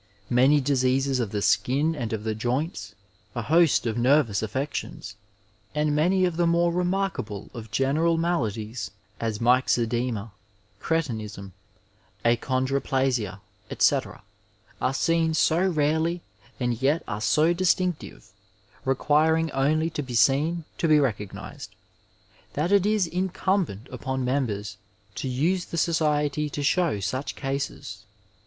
Many diseases of the skin and of the joints, a host of nervous affections, and many of the more remark able of general maladies, as mj^oedema, cretinism, achon droplasia, etc., are seen so rarely and yet are so distinctive, requiring only to be seen to be recognized, that it is in cmnbent upon members to use the society to show such cases.